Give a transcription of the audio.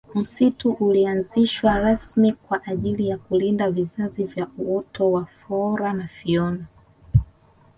msitu ulianzishwa rasmi kwa ajili ya kulinda vizazi vya uoto wa foora na fiona